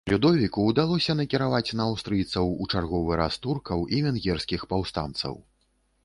Людовіку ўдалося нацкаваць на аўстрыйцаў у чарговы раз туркаў і венгерскіх паўстанцаў.